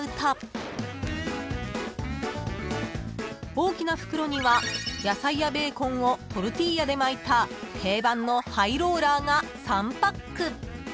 ［大きな袋には野菜やベーコンをトルティーヤで巻いた定番のハイローラーが３パック］